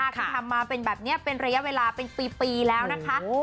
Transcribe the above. คือทำมาเป็นแบบนี้เป็นระยะเวลาเป็นปีแล้วนะคะ